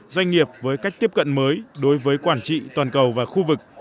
doanh nghiệp với cách tiếp cận mới đối với quản trị toàn cầu và khu vực